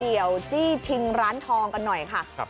เดี๋ยวจี้ชิงร้านทองกันหน่อยค่ะ